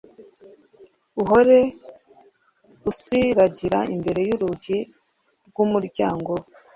uhore usiragira imbere y’urugi rw’umuryango we